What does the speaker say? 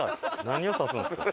何を指すんですか？